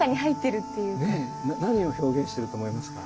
何を表現してると思いますか？